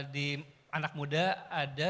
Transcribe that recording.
di anak muda ada